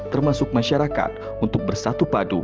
termasuk masyarakat untuk bersatu padu